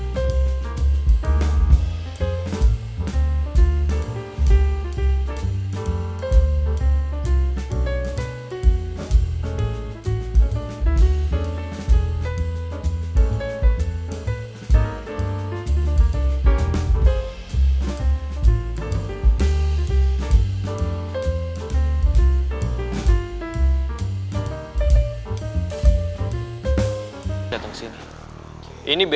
tan sekarang kita harus gimana nih